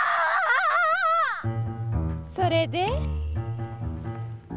それで？